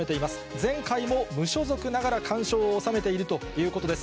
前回も無所属ながら完勝を収めているということです。